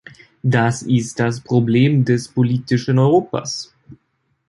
Das ist das Problem des politischen Europas!